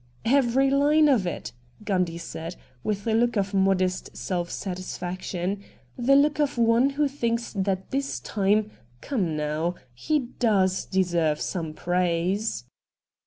' Every line of it,' Gundy said, with a look of modest self satisfaction — the look of one who thinks that this time — come now — he does deserve some praise.